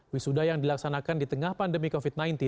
wisuda yang dilaksanakan di tengah pandemi covid sembilan belas